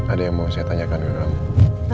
ada yang mau saya tanyakan ke dalam